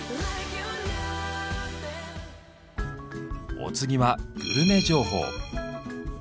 お次はグルメ情報。